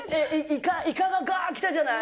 イカががーっときたじゃない？